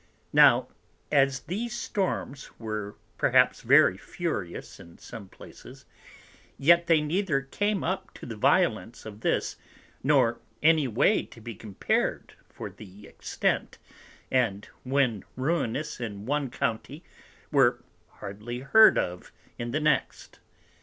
Now as these Storms were perhaps very furious in some Places, yet they neither came up to the Violence of this, nor any way to be compar'd for the Extent, and when ruinous in one County, were hardly heard of in the next.